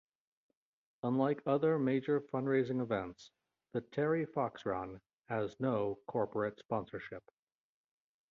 Unlike other major fund raising events, the Terry Fox Run has no corporate sponsorship.